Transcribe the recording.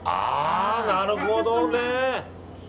なるほどね。